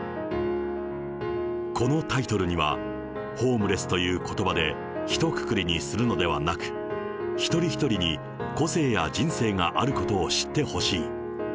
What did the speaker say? このタイトルには、ホームレスということばでひとくくりにするのではなく、一人一人に個性や人生があることを知ってほしい。